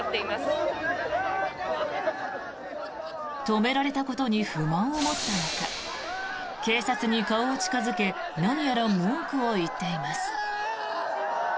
止められたことに不満を持ったのか警察に顔を近付け何やら文句を言っています。